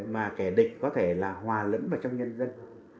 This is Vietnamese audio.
mà kẻ địch có thể là hòa lẫn vào trong nhân dân